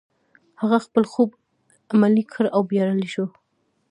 هغه خپل خوب عملي کړ او بريالی شو.